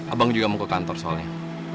abang juga mau ke kantor soalnya